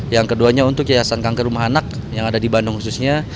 yang keduanya untuk yayasan kanker rumah anak yang ada di bandung khususnya